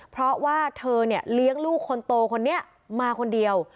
เพราะว่าเธอเนี่ยเลี้ยงลูกคนโตคนนี้มาคนเดียว